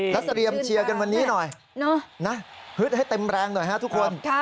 แล้วเตรียมเชียร์กันวันนี้หน่อยนะฮึดให้เต็มแรงหน่อยฮะทุกคน